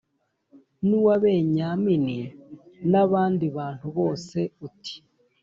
n’uwa Benyamini n’abandi bantu bose uti